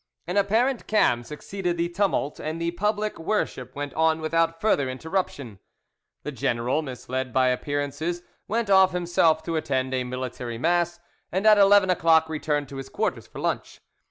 An apparent cam succeeded the tumult, and the public worship went on without further interruption. The general, misled by appearances, went off himself to attend a military mass, and at eleven o'clock returned to his quarters for lunch.